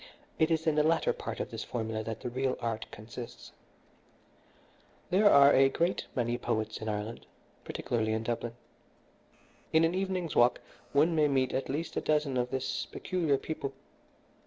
It is in the latter part of this formula that the real art consists. "There are a great many poets in Ireland, particularly in Dublin. In an evening's walk one may meet at least a dozen of this peculiar people.